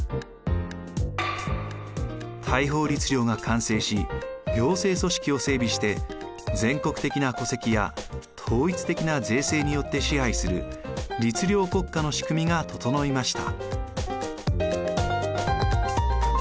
大宝律令が完成し行政組織を整備して全国的な戸籍や統一的な税制によって支配する律令国家のしくみが整いました。